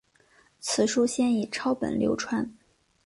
此书先以抄本流传。